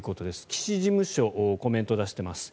岸事務所コメントを出しています。